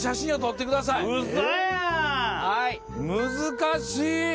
難しい。